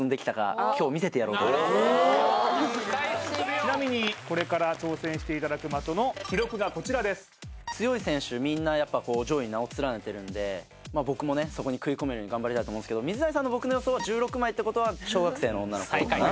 ちなみにこれから挑戦していただく的の記録がこちらですに名を連ねてるんで僕もそこに食い込めるよう頑張りたいと思うんすけど水谷さんの僕の予想は１６枚ってことは小学生の女の子かな？